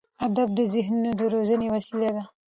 ادب د ذهنونو د روزنې وسیله ده.